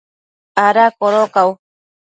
¿ ada codocau?